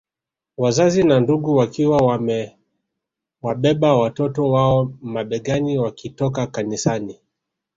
Wazazi na ndugu wakiwa wamewabeba watoto wao mabegani wakitoka kanisani